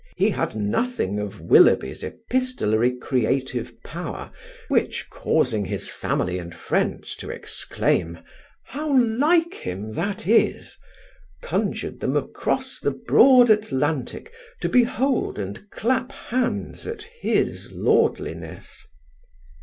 He had nothing of Willoughby's epistolary creative power, which, causing his family and friends to exclaim: "How like him that is!" conjured them across the broad Atlantic to behold and clap hands at his lordliness.